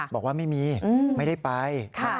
บอกว่าไม่มีไม่ได้ไป